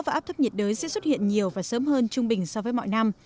và áp thấp nhiệt đới sẽ xuất hiện nhiều và sớm hơn trung bình so với mọi năm